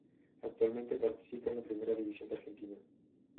Actualmente participa en la Primera División de Argentina.